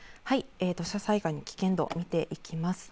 土砂災害の危険度、見ていきます。